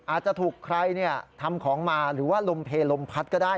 อาจจะถูกใครทำของมาหรือว่าลมเพลลมพัดก็ได้